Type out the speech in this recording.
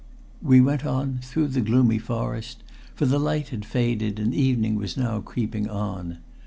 We went on through the gloomy forest, for the light had faded and evening was now creeping on.